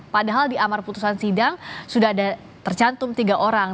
padahal di amar putusan sidang sudah ada tercantum tiga orang